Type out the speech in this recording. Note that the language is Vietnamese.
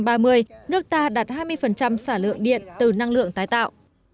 năm hai nghìn ba mươi nước ta đặt hai mươi xả lượng điện từ năng lượng tái tạo